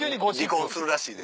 離婚するらしいで。